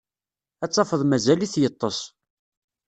Ad tafeḍ mazal-it yeṭṭes.